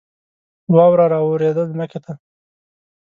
واوره را اوورېده ځمکې ته